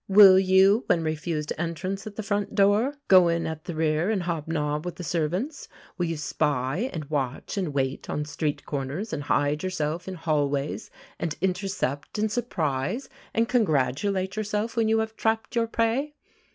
Will you, when refused entrance at the front door, go in at the rear and hobnob with the servants? will you spy, and watch and wait on street corners, and hide yourself in hallways, and intercept and surprise, and congratulate yourself when you have trapped your prey?